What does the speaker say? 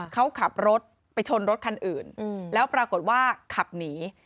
เขาขับรถไปชนรถคันอื่นแล้วปรากฏว่าขับหนี